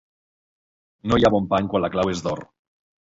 No hi ha bon pany quan la clau és d'or.